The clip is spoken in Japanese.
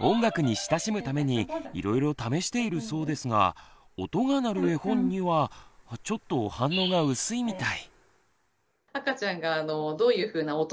音楽に親しむためにいろいろ試しているそうですが音が鳴る絵本にはちょっと反応が薄いみたい。